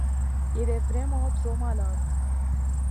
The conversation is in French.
il est vraiment trop malade…